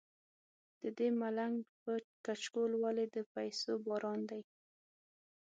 ددې ملنګ په کچکول ولې د پیسو باران دی.